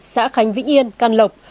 xã khánh vĩnh yên can lộc